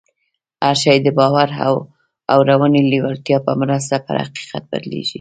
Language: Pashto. هر شی د باور او اورنۍ لېوالتیا په مرسته پر حقیقت بدلېږي